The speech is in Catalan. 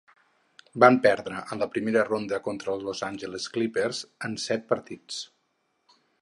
Van perdre en la primera ronda contra els Los Angeles Clippers en set partits.